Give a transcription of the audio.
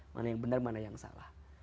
mana yang benar mana yang salah